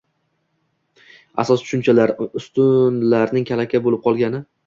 asos tushunchalar, ustunlarning kalaka bo‘lib qolgani.